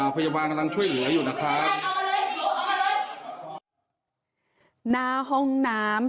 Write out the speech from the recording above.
พยาบาลกำลังช่วยหัวอยู่นะครับเอามาเลยเอามาเลยหน้าห้องน้ำ